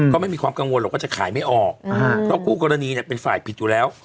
ไม่มีความกังวลหรอกว่าจะขายไม่ออกเพราะคู่กรณีเนี่ยเป็นฝ่ายผิดอยู่แล้ว